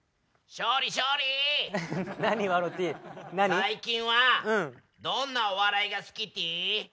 最近はどんなお笑いが好きティ？